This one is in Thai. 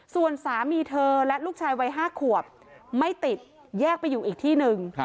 ส่วนสามีเธอและลูกชายวัย๕ขวบไม่ติดแยกไปอยู่อีกที่หนึ่ง